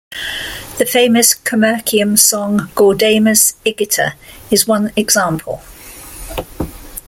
The famous commercium song "Gaudeamus igitur" is one example.